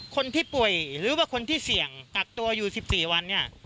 คนที่ป่วยหรือว่าคนที่เสี่ยงกักตัวอยู่๑๔วันเนี่ย